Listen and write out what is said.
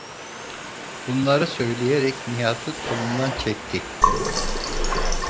Bunları söyleyerek Nihat’ı kolundan çekti.